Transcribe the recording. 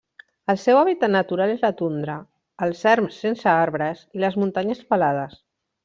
El seu hàbitat natural és la tundra, els erms sense arbres i les muntanyes pelades.